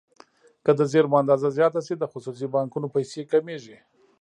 که د زېرمو اندازه زیاته شي د خصوصي بانکونو پیسې کمیږي.